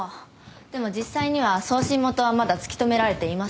でも実際には送信元はまだ突き止められていません。